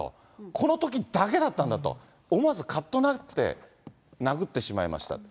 このときだけだったんだと、思わずかっとなって殴ってしまいました。